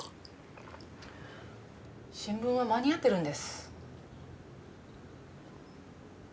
新聞は間に合ってるんです。